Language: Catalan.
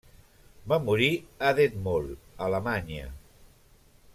Va morir a Detmold, Alemanya.